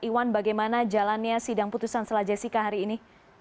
iwan bagaimana jalannya sidang putusan sela jessica hari ini